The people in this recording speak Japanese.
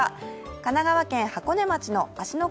神奈川県箱根町の芦ノ